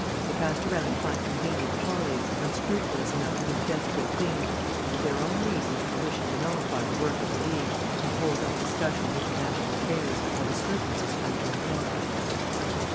They cast around to find convenient colleagues, unscrupulous enough to do desperate things, and with their own reasons for wishing to nullify the work of the League and to hold up discussion of international affairs while disturbances come to a head."